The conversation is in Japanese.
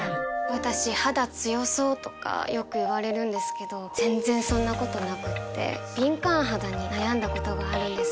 私「肌強そう」とかよく言われるんですけど全然そんなことなくて敏感肌に悩んだことがあるんです。